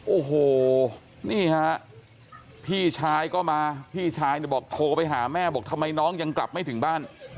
โอ้โหนี่ฮะพี่ชายก็มาพี่ชายเนี่ยบอกโทรไปหาแม่บอกทำไมน้องยังกลับไม่ถึงบ้าน